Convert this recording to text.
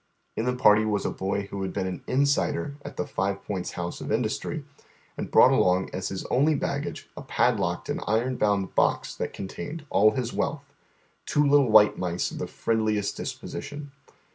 In ' the party was a boy who liad been an "Insider" at the Five Points House of Industry, and brought along as his only ba^age s padlocked and iron bound box that con tained all his wealth, two little white mice of the fi iend liest disposition.